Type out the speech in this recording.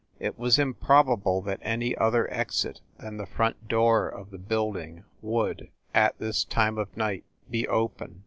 It was improbable that any other exit than the front door of the building would, at this time of night, be open.